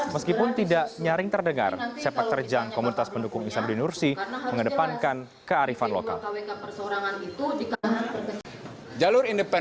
meskipun tidak nyaring terdengar sepak terjang komunitas pendukung ihsanudin nursi mengedepankan kearifan lokal